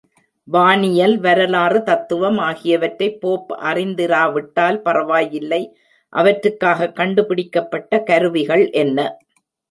வானியல் வரலாறு, தத்துவம் ஆகியவற்றைப் போப் அறிந்திராவிட்டால் பரவாயில்லை அவற்றுக்காகக் கண்டு பிடிக்கப்பட்ட கருவிகள் என்ன?